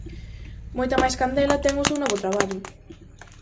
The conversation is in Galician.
Moita máis candela ten o seu novo traballo.